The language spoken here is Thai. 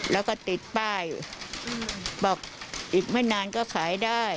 แล้วก็ติดจุดต่ายบอกอีกไม่นานขายได้